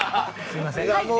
すみません。